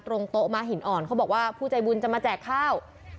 ตรงโต๊ะม้าหินอ่อนเขาบอกว่าผู้ใจบุญจะมาแจกข้าว